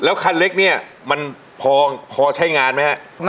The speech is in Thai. คันเล็กเนี่ยมันพอใช้งานไหมฮะ